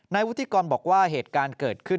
วุฒิกรบอกว่าเหตุการณ์เกิดขึ้น